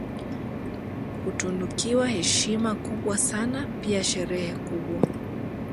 Hutunukiwa heshima kubwa sana pia sherehe kubwa